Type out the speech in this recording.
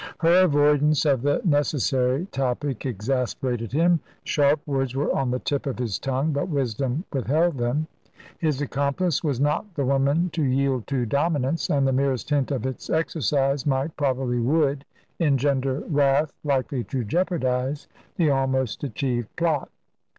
Her avoidance of the necessary topic exasperated him. Sharp words were on the tip of his tongue, but wisdom withheld them. His accomplice was not the woman to yield to dominance, and the merest hint of its exercise might, probably would, engender wrath likely to jeopardise the almost achieved plot.